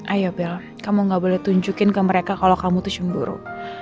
ayo bel kamu gak boleh tunjukin ke mereka kalau kamu tuh cemburu